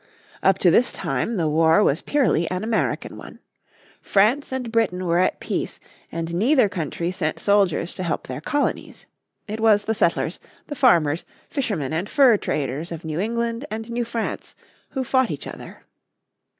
Up to this time the war was purely an American one. France and Britain were at peace, and neither country sent soldiers to help their colonies. It was the settlers, the farmers, fishermen and fur traders of New England and New France who fought each other.